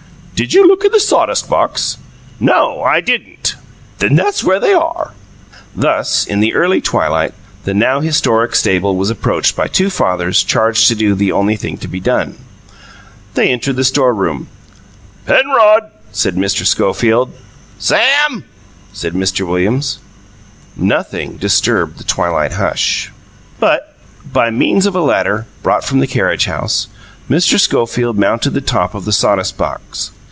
"Did you look in the sawdust box?" "No, I didn't." "Then that's where they are." Thus, in the early twilight, the now historic stable was approached by two fathers charged to do the only thing to be done. They entered the storeroom. "Penrod!" said Mr. Schofield. "Sam!" said Mr. Williams. Nothing disturbed the twilight hush. But by means of a ladder, brought from the carriage house, Mr. Schofield mounted to the top of the sawdust box.